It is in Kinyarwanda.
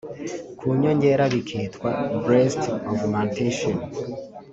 kuyongera bikitwa Breast Augmentation